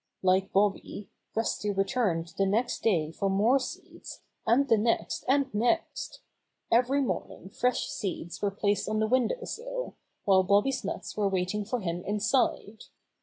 Like Bobby, Rusty returned the next day for more seeds, and the next and next. Every morning fresh seeds were placed on the win dow sill, while Bobby's nuts were waiting for him inside.